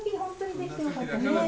ねっよかったね。